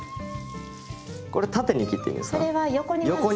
これ縦に切っていいんですか？